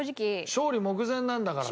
勝利目前なんだからさ。